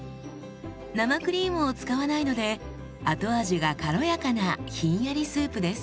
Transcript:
生クリームを使わないので後味が軽やかなひんやりスープです。